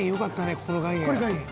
ここの岩塩」